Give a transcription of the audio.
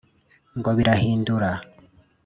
ngo bahindura